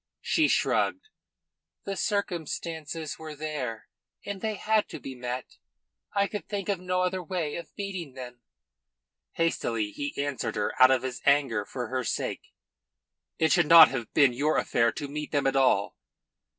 She shrugged. "The circumstances were there, and they had to be met. I could think of no other way of meeting them." Hastily he answered her out of his anger for her sake: "It should not have been your affair to meet them at all."